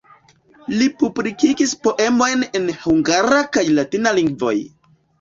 Li publikis poemojn en hungara kaj latina lingvoj.